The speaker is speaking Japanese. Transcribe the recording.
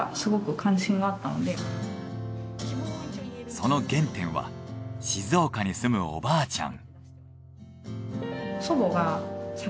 その原点は静岡に住むおばあちゃん。